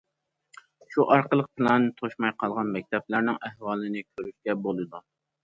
شۇ ئارقىلىق پىلانى توشماي قالغان مەكتەپلەرنىڭ ئەھۋالىنى كۆرۈشكە بولىدۇ.